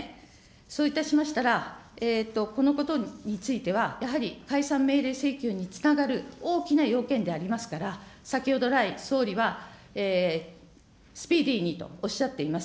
そういたしましたら、このことについては、やはり解散命令請求につながる大きな要件でありますから、先ほど来、総理はスピーディーにとおっしゃっています。